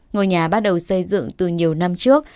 ngôi nhà bắt đầu xây dựng từ nhiều năm trước